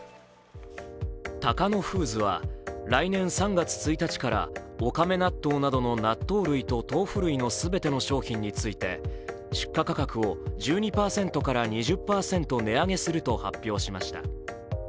タカノフーズは来年３月１日からおかめ納豆などの納豆類と豆腐類の全ての商品について出荷価格を１２％から２０％値上げすると発表しました。